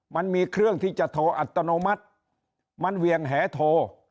มันมีเครื่องที่จะโทรอัตโนมัติมันเวียงแหโท